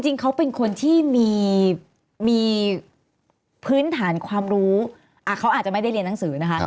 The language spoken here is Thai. จริงเขาเป็นคนที่มีพื้นฐานความรู้เขาอาจจะไม่ได้เรียนหนังสือนะคะ